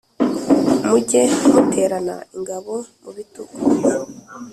muge muterana ingabo mu bitugu.